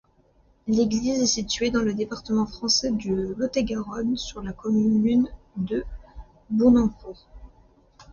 L'église est située dans le département français de Lot-et-Garonne, sur la commune de Bon-Encontre.